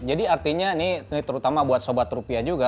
jadi artinya ini terutama buat sobat rupiah juga